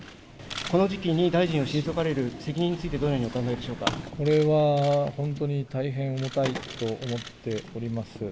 この時期に大臣を退かれる責任についてどのようにお考えでしこれは本当に大変重たいと思っております。